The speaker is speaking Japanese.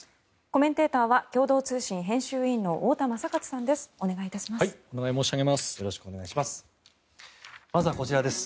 コメンテーターは共同通信編集員の太田昌克さんです。